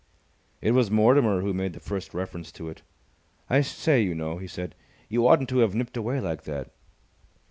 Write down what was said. It was Mortimer who made the first reference to it. "I say, you know," he said, "you oughtn't to have nipped away like that!"